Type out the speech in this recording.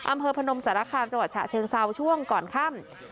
พนมสารคามจังหวัดฉะเชิงเซาช่วงก่อนค่ำ